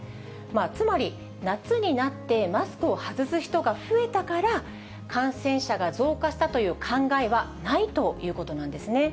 つまり、夏になってマスクを外す人が増えたから、感染者が増加したという考えはないということなんですね。